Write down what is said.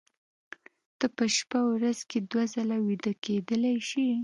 ته په شپه ورځ کې دوه ځله ویده کېدلی شې